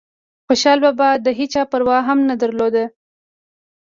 خوشحال بابا دهيچا پروا هم نه درلوده